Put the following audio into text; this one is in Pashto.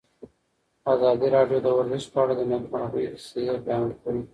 ازادي راډیو د ورزش په اړه د نېکمرغۍ کیسې بیان کړې.